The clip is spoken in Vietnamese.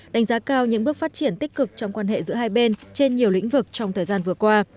đánh giá cao những bước phát triển tích cực trong quan hệ giữa hai bên trên nhiều lĩnh vực trong thời gian vừa qua